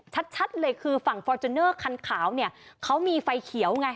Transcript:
ชัดเลยคือฝั่งฟอร์จูเนอร์คันขาวเนี่ยเขามีไฟเขียวไง